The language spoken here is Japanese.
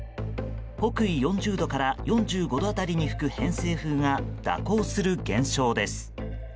北緯４０度から４５度辺りに吹く偏西風が蛇行する現象です。